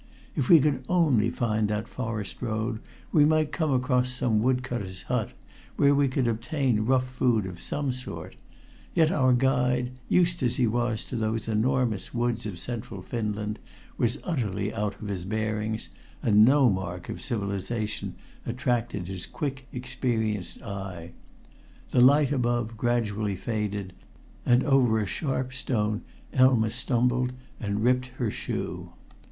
If we could only find that forest road we might come across some wood cutter's hut, where we could obtain rough food of some sort, yet our guide, used as he was to those enormous woods of central Finland, was utterly out of his bearings, and no mark of civilization attracted his quick, experienced eye. The light above gradually faded, and over a sharp stone Elma stumbled and ripped her shoe.